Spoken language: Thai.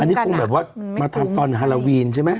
อันนี้คงแบบว่ามาทำตอนฮาราวีนใช่ไหม